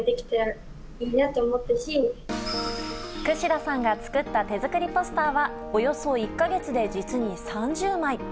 櫛田さんが作った手作りポスターはおよそ１か月で実に３０枚。